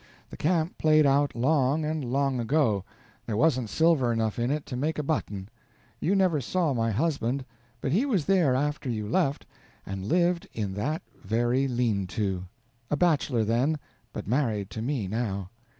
The camp played out long and long ago, there wasn't silver enough in it to make a button. You never saw my husband, but he was there after you left, and lived in that very lean to, a bachelor then but married to me now.